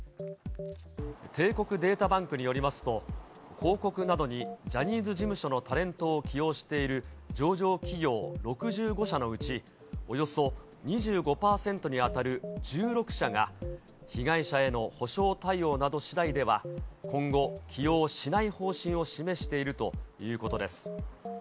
帝国データバンクによりますと、広告などにジャニーズ事務所のタレントを起用している上場企業６５社のうち、およそ２５％に当たる１６社が、被害者への補償対応などしだいでは、今後、起用しない方針を示しているということです。